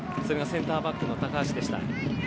センターバックの高橋でした。